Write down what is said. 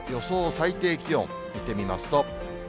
最低気温、見てみますと。